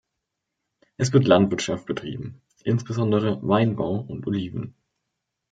Es wird Landwirtschaft betrieben, insbesondere Weinbau und Oliven.